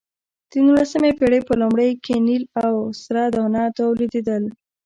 د نولسمې پېړۍ په لومړیو کې نیل او سره دانه تولیدېدل.